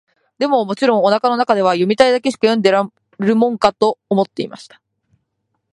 でも、もちろん、お腹の中では、読みたいだけしか読んでやるもんか、と思っていました。